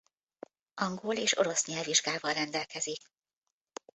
Angol és orosz nyelvvizsgával rendelkezik.